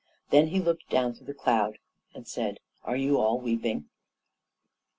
Then he looked down through the cloud and said, "Are you all weeping?"